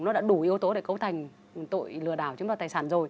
nó đã đủ yếu tố để cấu thành tội lừa đảo chúng ta tài sản rồi